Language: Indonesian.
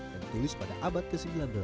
yang ditulis pada abad ke sembilan belas